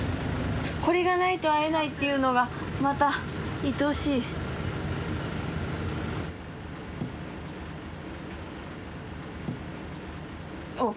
これがないと会えないっていうのがまたいとおしいおっ！